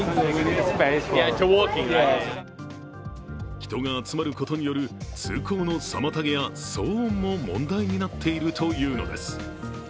人が集まることによる、通行の妨げや騒音も問題になっているというのです。